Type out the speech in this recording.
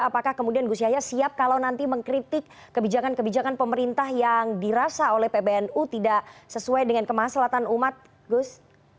apakah kemudian gus yahya siap kalau nanti mengkritik kebijakan kebijakan pemerintah yang dirasa oleh pbnu tidak sesuai dengan kemaslahatan umat gus